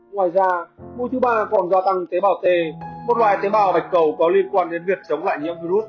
ngoài ra mũi thứ ba còn gia tăng tế bào t một loại tế bào bạch cầu có liên quan đến việc chống lại nhiễm virus